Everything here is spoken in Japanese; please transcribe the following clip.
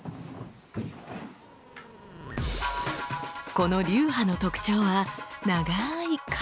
この流派の特徴は長い型。